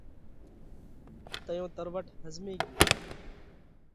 تئيون تروٽ ۿزمي ڳيو۔